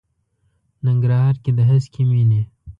ننګرهار کې د هسکې مېنې.